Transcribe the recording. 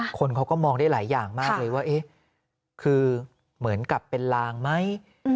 คนเขาก็มองได้หลายอย่างมากเลยว่าเอ๊ะคือเหมือนกับเป็นลางไหม